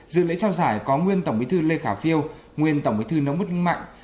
dự lễ trao giải có nguyên tổng bí thư lê khả phiêu nguyên tổng bí thư nông đức mạnh